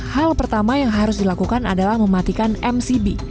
hal pertama yang harus dilakukan adalah mematikan mcb